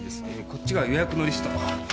こっちが予約のリスト。